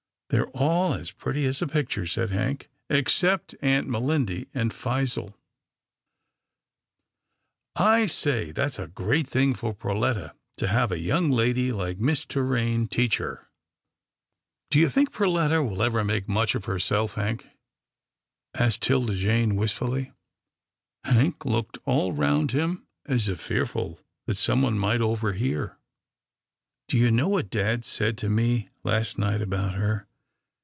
They're all as pretty as a picture," said Hank, " except Aunt Melindy and Phizelle — I say, that's a great thing for Perletta to have a young lady like Miss Torraine teach her." A COTTAGE OF GENTILITY 335 " Do you think Perletta will ever make much of herself, Hank?" asked 'Tilda Jane, wistfully. Hank looked all round him, as if fearful that someone might overhear. Do you know what dad said to me last night about her